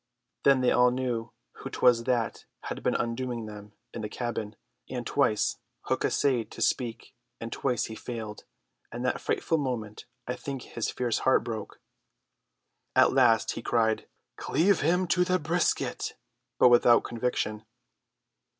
Then they all knew who 'twas that had been undoing them in the cabin, and twice Hook essayed to speak and twice he failed. In that frightful moment I think his fierce heart broke. At last he cried, "Cleave him to the brisket!" but without conviction.